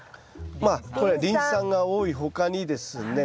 まあこれはリン酸が多い他にですね